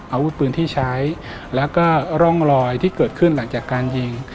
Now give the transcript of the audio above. อาวุธปืนที่ใช้แล้วก็ร่องรอยที่เกิดขึ้นหลังจากการยิง